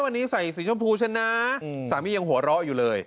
วันนี้ใส่สีชมพูฉันนะสามียังหัวเราะอยู่เลย